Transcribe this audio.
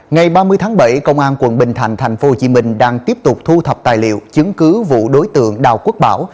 ngày ba mươi tháng bảy công an quận bình thành thành phố hồ chí minh đang tiếp tục thu thập tài liệu chứng cứ vụ đối tượng đào quốc bảo